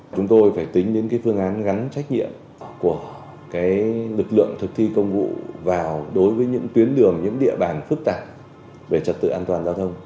chúng tôi phải tính đến phương án gắn trách nhiệm của lực lượng thực thi công vụ vào đối với những tuyến đường những địa bàn phức tạp về trật tự an toàn giao thông